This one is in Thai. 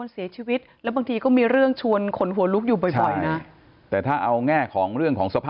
สวัสดีครับ